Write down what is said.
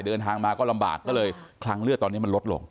เดินทางมาก็ลำบากก็เลยคลังเลือดตอนนี้มันลดลง